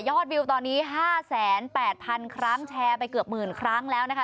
วิวตอนนี้๕๘๐๐๐ครั้งแชร์ไปเกือบหมื่นครั้งแล้วนะคะ